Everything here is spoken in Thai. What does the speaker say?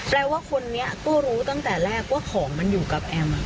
แปลว่าคนนี้ก็รู้ตั้งแต่แรกว่าของมันอยู่กับแอม